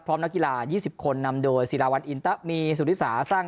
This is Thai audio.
พร้อมนักกีฬายี่สิบคนนำโดยศิลาวันอินตะมีสุริสาสร้าง